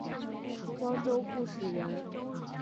光州固始人。